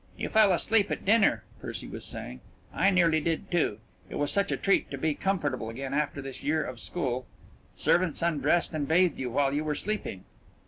"You fell asleep at dinner," Percy was saying. "I nearly did, too it was such a treat to be comfortable again after this year of school. Servants undressed and bathed you while you were sleeping."